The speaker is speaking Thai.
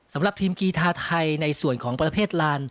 สำหรับทีมกีทาไทยในส่วนของประเภทลาน